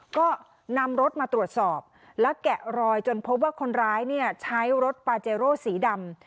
ก็นำรถมาตรวจสอบและแกะรอยจนพบว่าคนร้ายเนี่ยใช้รถปาเจโร่สีดำ